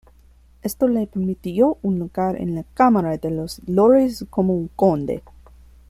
Esto le permitió un lugar en la Cámara de los Lores como un Conde.